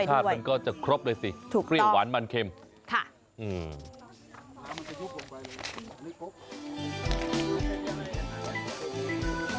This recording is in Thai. โอ้รสชาติมันก็จะครบเลยสิพริกหวานมันเค็มค่ะถูกต้อง